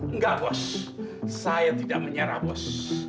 enggak bos saya tidak menyerah bos